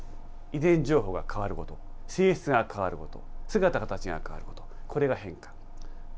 遺伝情報が変わること、性質が変わること、姿形が変わること、これが変化。